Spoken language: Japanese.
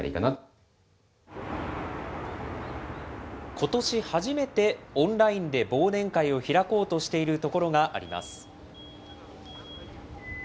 ことし初めて、オンラインで忘年会を開こうとしているところがあります。